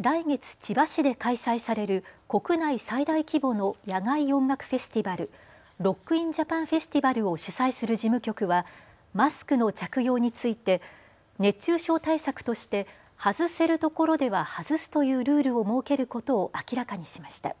来月、千葉市で開催される国内最大規模の野外音楽フェスティバル、ロック・イン・ジャパン・フェスティバルを主催する事務局はマスクの着用について熱中症対策として外せるところでは外すというルールを設けることを明らかにしました。